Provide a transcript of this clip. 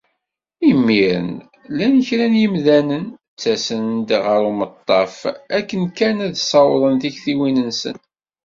Imir-n, llan kra n yimdanen, ttasen-d ɣer umaṭṭaf akken kan ad ssawḍen tiktiwin-nsen.